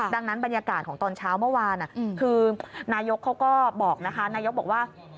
ดังนั้นบรรยากาศของตอนเช้าเมื่อวานคือนายกเขาก็บอกนะคะนายกบอกว่า